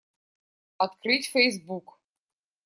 Открыть Facebook.